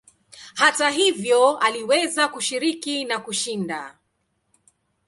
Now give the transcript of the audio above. Hata hivyo aliweza kushiriki na kushinda.